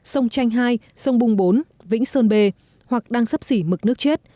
sông tranh hai sông bùng bốn vĩnh sơn bê hoặc đang sắp xỉ mực nước chết